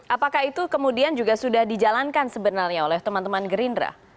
apakah itu kemudian juga sudah dijalankan sebenarnya oleh teman teman gerindra